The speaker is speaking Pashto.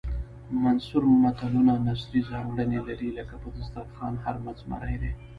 منثور متلونه نثري ځانګړنې لري لکه په دسترخوان هر مچ زمری دی